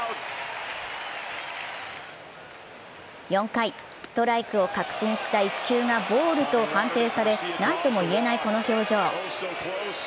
４回、ストライクを確信した１球がボールと判定され何とも言えない、この表情。